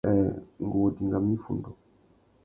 Nhêê... ngu wô dingamú iffundu.